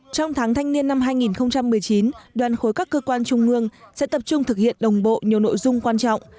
trong tháng thanh niên năm hai nghìn một mươi chín đoàn khối các cơ quan trung ương sẽ tập trung thực hiện đồng bộ nhiều nội dung quan trọng